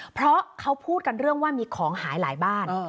เพราะเขาพูดกันเรื่องว่ามีของหายหลายบ้าน